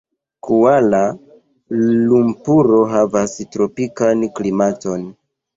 Kuala-Lumpuro havas tropikan klimaton.